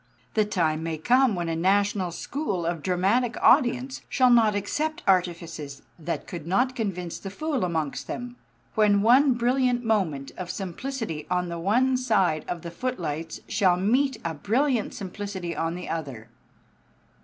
The time may come when a national school of dramatic audience shall not accept artifices that could not convince the fool amongst them; when one brilliant moment of simplicity on the one side of the footlights shall meet a brilliant simplicity on the other.